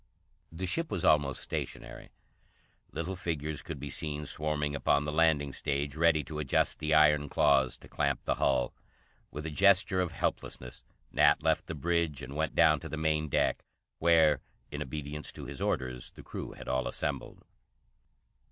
The ship was almost stationary. Little figures could be seen swarming upon the landing stage, ready to adjust the iron claws to clamp the hull. With a gesture of helplessness, Nat left the bridge and went down to the main deck where, in obedience to his orders, the crew had all assembled.